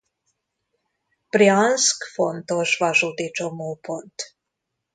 Brjanszk fontos vasúti csomópont.